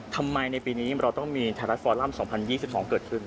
ทำไมในปีนี้เราต้องมีไทยรัฐฟอลัม๒๐๒๒เกิดขึ้น